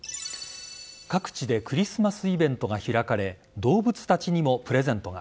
各地でクリスマスイベントが開かれ動物たちにもプレゼントが。